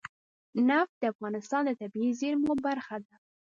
نفت د افغانستان د طبیعي زیرمو برخه ده.